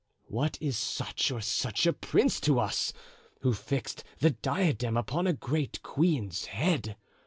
What is such or such a prince to us, who fixed the diadem upon a great queen's head?